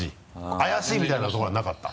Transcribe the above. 怪しいみたいなところはなかった？